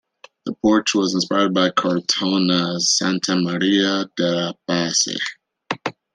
The porch was inspired by Cortona's Santa Maria della Pace.